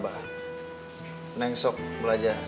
mbak sukses mbak berhasil berhasil mbak berhasil berhasil